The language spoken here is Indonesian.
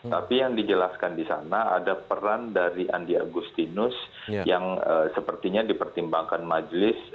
tapi yang dijelaskan di sana ada peran dari andi agustinus yang sepertinya dipertimbangkan majelis